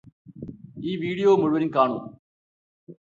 ഈ വീഡിയോ മുഴുവൻ കാണൂ.